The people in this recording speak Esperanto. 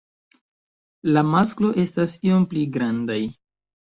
La masklo estas iom pli grandaj.